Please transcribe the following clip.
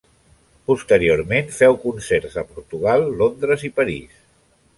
Posteriorment féu concerts a Portugal, Londres i París.